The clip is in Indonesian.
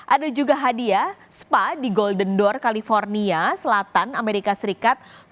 ada juga hadiah spa di golden dor california selatan amerika serikat